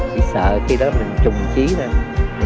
chỉ sợ khi đó mình trùng trí lên